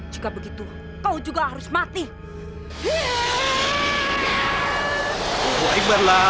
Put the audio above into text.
jika begitu kau juga harus mati